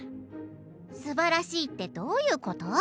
「『すばらしい』ってどういうこと？